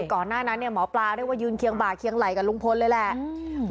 ก่อนหน้านั้นเนี่ยหมอปลาเรียกว่ายืนเคียงบ่าเคียงไหล่กับลุงพลเลยแหละ